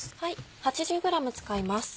８０ｇ使います。